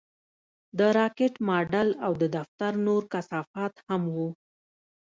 د راکټ ماډل او د دفتر نور کثافات هم وو